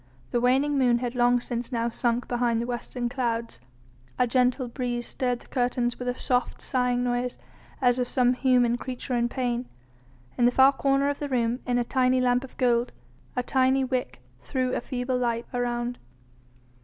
The waning moon had long since now sunk behind the western clouds, a gentle breeze stirred the curtains with a soft, sighing noise as of some human creature in pain. In the far corner of the room, in a tiny lamp of gold, a tiny wick threw a feeble light around.